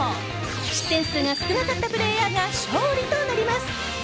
失点数が少なかったプレーヤーが勝利となります。